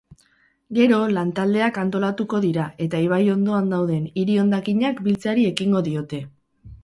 Gero, lan-taldeak antolatuko dira eta ibai ondoan dauden hiri-hondakinak biltzeari ekingo diote.